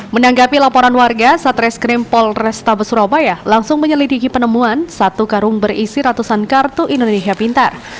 menanggapi laporan warga satreskrim polrestabes surabaya langsung menyelidiki penemuan satu karung berisi ratusan kartu indonesia pintar